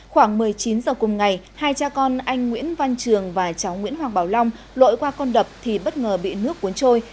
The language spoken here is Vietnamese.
khoảng một mươi chín giờ cùng ngày hai cha con anh nguyễn văn trường và cháu nguyễn hoàng bảo long lội qua con đập thì bất ngờ bị nước cuốn trôi